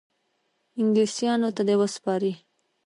انګلیسیانو ته دي وسپاري.